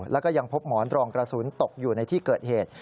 แล้วก็ยังพบหมอนรองกระสุนตกอยู่ในที่เกิดเหตุ